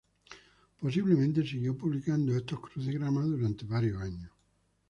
Posiblemente siguió publicando estos crucigramas durante varios años.